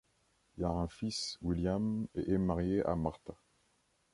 Il a un fils, William et est marié à Martha.